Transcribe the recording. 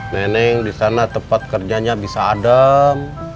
neneng di sana tempat kerjanya bisa adem